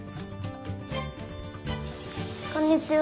こんにちは。